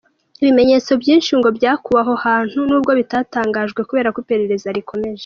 Ibimenyetso byinshi ngo byakuwe aho hantu nubwo bitatangajwe kubera ko iperereza rikomeje.